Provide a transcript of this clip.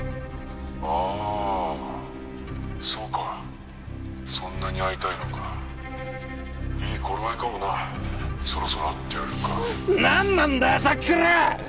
ああそうかそんなに会いたいのかいい頃合いかもなそろそろ会ってやるか何なんだよさっきから！